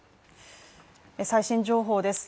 最新情報です。